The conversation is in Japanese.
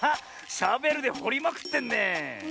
シャベルでほりまくってんねえ。